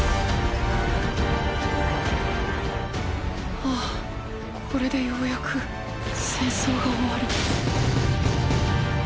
ああこれでようやく戦争が終わる。